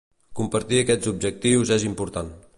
Compartir aquests objectius és important.